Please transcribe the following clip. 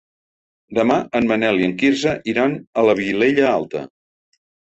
Demà en Manel i en Quirze iran a la Vilella Alta.